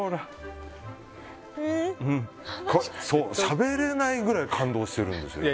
しゃべれないぐらい感動しているんですよね。